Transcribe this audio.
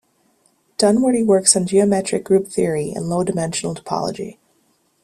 Dunwoody works on geometric group theory and low-dimensional topology.